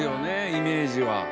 イメージは。